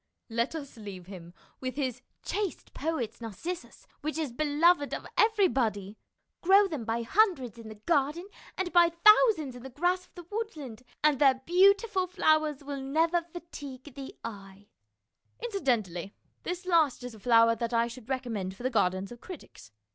Let us leave him with his " chaste Poet's Nar cissus, which is beloved of everybody. ... Grow them by hundreds in the garden and by thousands in the grass of the woodland, and their beautiful flowers will never fatigue the eye." COMMERCIAL LITERATURE 265 Incidentally this last is a flower that I should recommend for the gardens of critics.